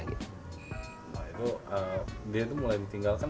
dia itu mulai ditinggalkan